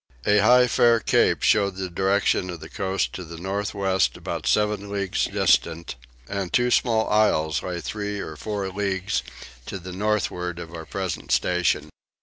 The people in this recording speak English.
A high fair cape showed the direction of the coast to the north west about seven leagues distant; and two small isles lay three or four leagues to the northward of our present station.